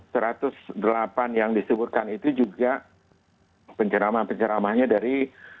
jadi satu ratus delapan yang disebutkan itu juga penceramah penceramahnya dari